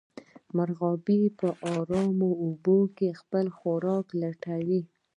مرغابۍ په ارامو اوبو کې خپل خوراک لټوي